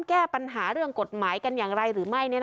แก้ปัญหาเรื่องกฎหมายกันอย่างไรหรือไม่